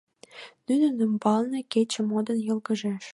Нунын ӱмбалне кече модын йылгыжеш.